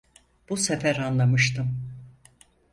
Bu sefer anlamıştım.